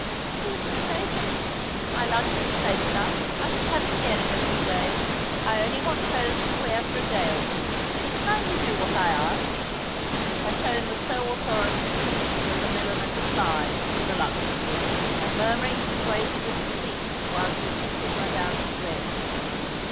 " He was mistaken. My luggage is safe [enough. I shall have it again in a few days. I only want clothes to wear for a day or two. Kindly do what I ask." Her tone was so authoritative that the milliner complied, reluctantly, and mui'muring persuasive little speeches while she assisted Madame to dress.